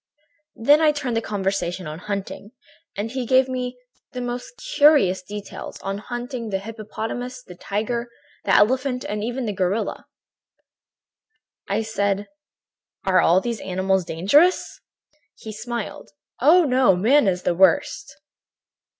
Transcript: "Then I turned the conversation on hunting, and he gave me the most curious details on hunting the hippopotamus, the tiger, the elephant and even the gorilla. "I said: "'Are all these animals dangerous?' "He smiled: "'Oh, no! Man is the worst.'